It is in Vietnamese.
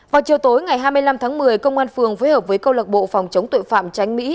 vào chiều tối ngày hai mươi năm tháng một mươi công an phường phối hợp với câu lạc bộ phòng chống tội phạm tránh mỹ